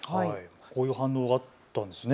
こういう反応があったんですね。